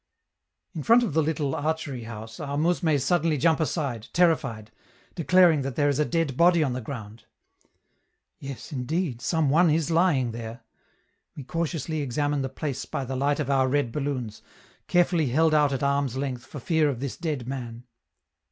In front of the little archery house our mousmes suddenly jump aside, terrified, declaring that there is a dead body on the ground. Yes, indeed, some one is lying there. We cautiously examine the place by the light of our red balloons, carefully held out at arm's length for fear of this dead man.